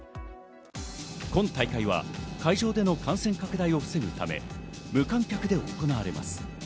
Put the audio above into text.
今大会は、会場での感染拡大を防ぐため無観客で行われます。